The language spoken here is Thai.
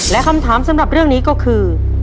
และคำถามสำหรับเรื่องนี้ก็คือ